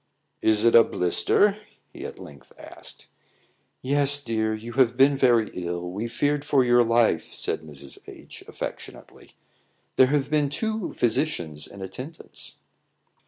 "Is it a blister?" he at length asked. "Yes, dear. You have been very ill; we feared for your life," said Mrs. H , affectionately; "there have been two physicians in attendance."